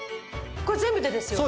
これ全部でですよね？